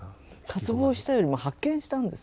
渇望したよりも発見したんです。